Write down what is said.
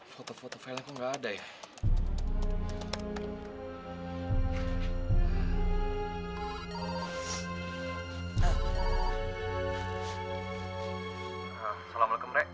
foto foto file nya kok nggak ada ya